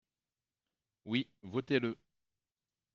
Oui, votez-le